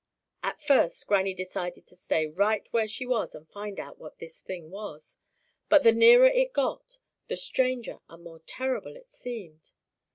At first Granny decided to stay right where she was and find out what this thing was, but the nearer it got, the stranger and more terrible it seemed.